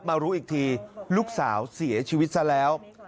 มารู้อีกทีลูกสาวเสียชีวิตซะแล้ว